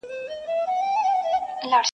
بیا به جهان راپسي ګورې نه به یمه-